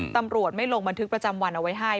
ตำรวจไม่ลงบันทึกประจำวันเอาไว้ให้